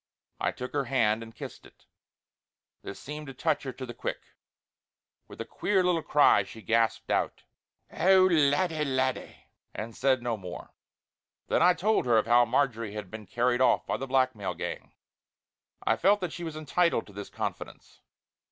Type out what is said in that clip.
I took her hand and kissed it. This seemed to touch her to the quick; with a queer little cry she gasped out: "Oh, laddie, laddie!" and said no more. Then I told her of how Marjory had been carried off by the blackmail gang; I felt that she was entitled to this confidence.